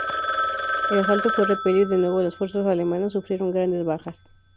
El asalto fue repelido y de nuevo las fuerzas alemanas sufrieron grandes bajas.